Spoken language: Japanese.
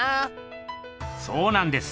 そうなんです！